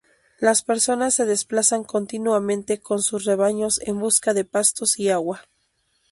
Las personas se desplazan continuamente con sus rebaños en busca de pastos y agua.